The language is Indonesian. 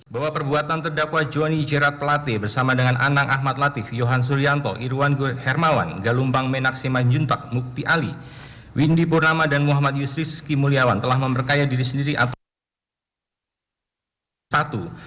bahwa perbuatan terdakwa jonny jerat pelate bersama dengan anang ahmad latif yohan suryanto irwan hermawan galumbang menak siman juntak mukti ali windy purnama dan muhammad yusri ski mulyawan telah memberkaya diri sendiri atau